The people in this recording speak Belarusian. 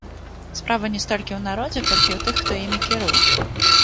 Справа не столькі ў народзе, колькі ў тых, хто імі кіруе.